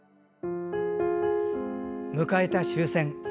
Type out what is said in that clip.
迎えた終戦。